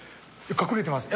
隠れてます。